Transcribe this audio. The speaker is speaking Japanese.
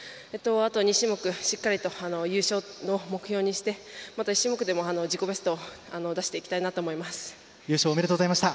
あと２種目しっかりと優勝を目標にして、１種目でも自己ベストを出していきたいなと優勝、おめでとうございました。